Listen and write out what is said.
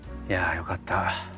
いやよかった。